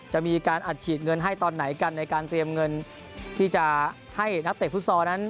จะมีการอัดฉีดเงินให้ตอนไหนกันในการเตรียมเงินที่จะให้นักเตะฟุตซอลนั้น